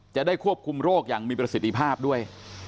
จะได้ควบคุมโรคอย่างมีประสิทธิภาพด้วย